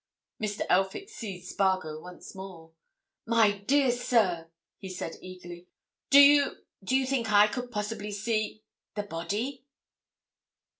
Mr. Elphick seized Spargo once more. "My dear sir!" he said, eagerly. "Do you—do you think I could possibly see—the body?"